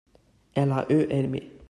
elle a eu aimé.